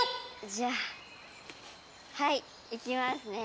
じゃあはいいきますね。